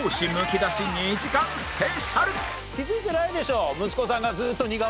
気づいてないでしょ？